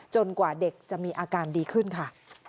กว่าเด็กจะมีอาการดีขึ้นค่ะ